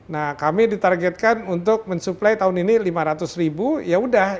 nah kami ditargetkan untuk mensuplai tahun ini lima ratus ribu ya udah